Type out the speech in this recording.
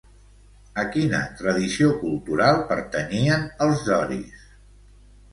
A quina tradició cultural pertanyien els doris?